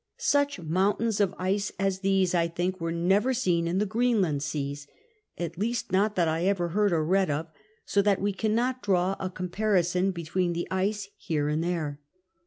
Such mountains of ice as these, I think, 'were never seen in the Gi'eenland seas, at least not that I ever heard or read of, so that we cannot draw' a comimrison between the ice here and there.